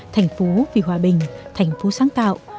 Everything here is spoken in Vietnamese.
thành phố vì hòa bình thành phố sáng tạo